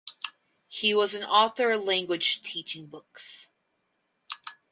He was author of language teaching books.